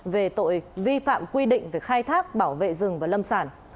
về tội vi phạm quy định về khai thác bảo vệ rừng và lâm sản